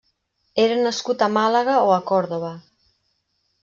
Era nascut a Màlaga o a Còrdova.